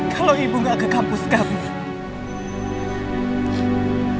kalau ibu gak ke kampus kami